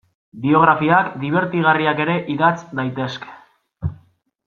Biografiak dibertigarriak ere idatz daitezke.